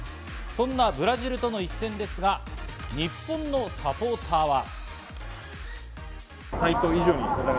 そんなブラジルとの一戦ですが、日本のサポーターは。